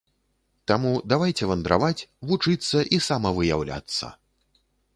Таму давайце вандраваць, вучыцца і самавыяўляцца!